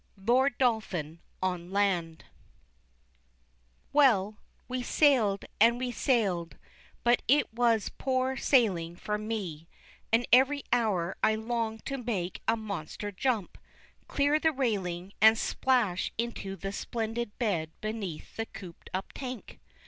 LORD DOLPHIN ON LAND Well, we sailed and we sailed, but it was poor sailing for me, and every hour I longed to make a monster jump, clear the railing, and splash into the splendid bed beneath the cooped up tank.